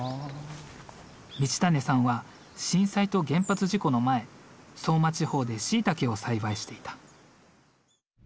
行胤さんは震災と原発事故の前相馬地方でしいたけを栽培していた。